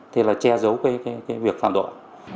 thì là che giấu việc phạm đội